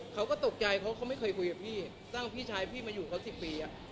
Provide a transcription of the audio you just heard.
เขาก็ตกใจเค้าไม่เคยคุยกับพี่สร้างพี่ชายพี่มาอยู่ครับ๑๐ปี